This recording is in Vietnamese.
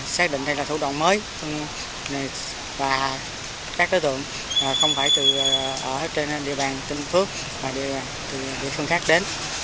xác định đây là thủ đoạn mới và các đối tượng không phải từ địa bàn tỉnh phước mà từ địa phương khác đến